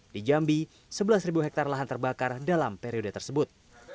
di jambi sebelas hektare lahan terbakar dalam periode tersebut